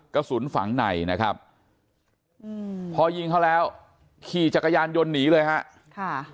กระสุนฝังในนะครับอืมพอยิงเขาแล้วขี่จักรยานยนต์หนีเลยฮะค่ะ